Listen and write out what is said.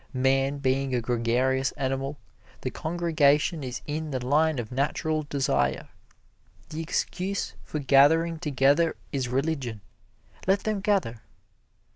Man being a gregarious animal, the congregation is in the line of natural desire. The excuse for gathering together is religion let them gather.